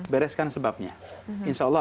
bereskan sebabnya insya allah